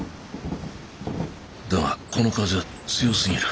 だがこの風は強すぎる。